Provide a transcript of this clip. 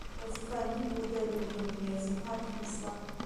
Вазифа, ни булды әле бөгөн һиңә, зинһар, тыныслан!